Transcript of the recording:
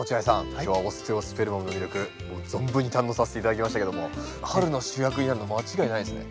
今日はオステオスペルマムの魅力存分に堪能させて頂きましたけども春の主役になるの間違いないですね。